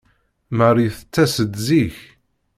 Marie tettas-d zik.